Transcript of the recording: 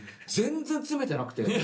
全然詰めてなくて。